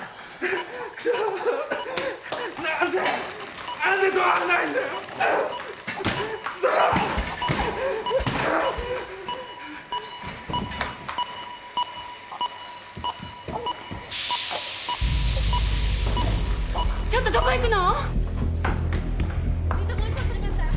ックソッちょっとどこ行くの？